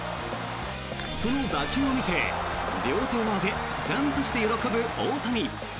その打球を見て、両手を上げてジャンプして喜ぶ大谷。